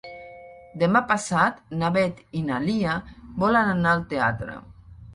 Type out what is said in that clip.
Demà passat na Beth i na Lia volen anar al teatre.